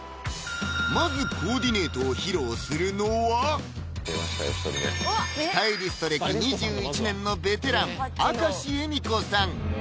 まずコーディネートを披露するのはスタイリスト歴２１年のベテラン・明石恵美子さん